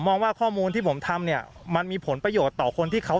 มองว่าข้อมูลที่ผมทำเนี่ยมันมีผลประโยชน์ต่อคนที่เขา